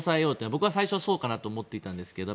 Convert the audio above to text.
僕は最初そうかなと思っていたんですけど